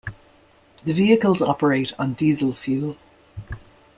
The vehicles operate on diesel fuel.